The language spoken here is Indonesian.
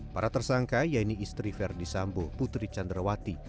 para tersangka yaitu istri verdi sambo putri candrawati